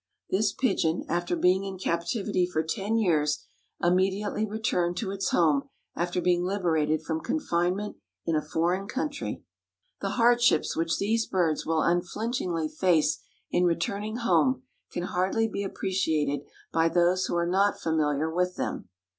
This pigeon after being in captivity for ten years immediately returned to its home after being liberated from confinement in a foreign country. The hardships which these birds will unflinchingly face in returning home can hardly be appreciated by those who are not familiar with them.